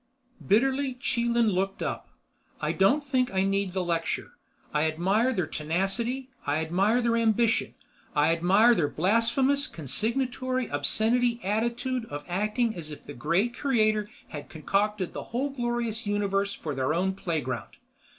Bitterly Chelan looked up. "I don't think I need the lecture. I admire their tenacity. I admire their ambition. I admire their blasphemous, consignatory, obscenity attitude of acting as if the Great Creator had concocted the whole glorious Universe for their own playground.